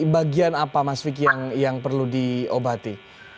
bagian apa mas vicky yang perlu diobati